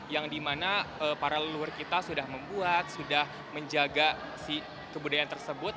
yang dimana para leluhur kita sudah membuat sudah menjaga si kebudayaan tersebut